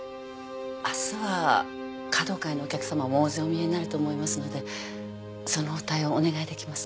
明日は華道界のお客さまも大勢おみえになると思いますのでその応対をお願いできますか？